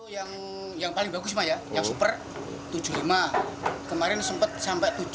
yang paling bagus yang super rp tujuh puluh lima kemarin sempat sampai rp tujuh puluh sembilan